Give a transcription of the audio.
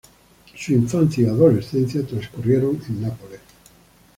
Su infancia y adolescencia transcurrieron en Nápoles.